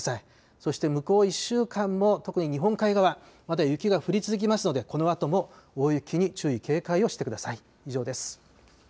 そして向こう１週間も、特に日本海側、まだ雪が降り続きますので、このあとも大雪に注意、警戒をしてください。